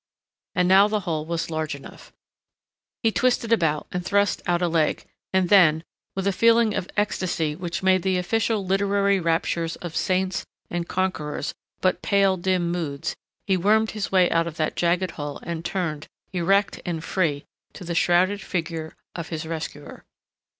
And now the hole was large enough. He twisted about and thrust out a leg, and then, with a feeling of ecstasy which made the official literary raptures of saints and conquerors but pale, dim moods, he wormed his way out of that jagged hole and turned, erect and free, to the shrouded figure of his rescuer.